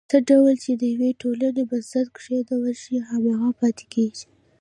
څه ډول چې د یوې ټولنې بنسټ کېښودل شي، هماغسې پاتې کېږي.